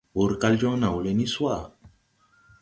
Wur kal joŋ naw le ni swaʼa.